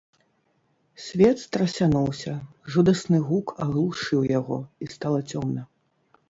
Свет страсянуўся, жудасны гук аглушыў яго, і стала цёмна.